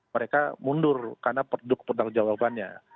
mereka mundur karena bentuk tanggung jawabannya